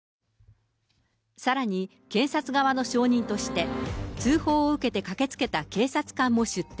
さらに、検察側の証人として、通報を受けて駆けつけた警察官も出廷。